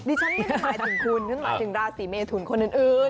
ดิฉันไม่ได้หมายถึงคุณฉันหมายถึงราศีเมทุนคนอื่น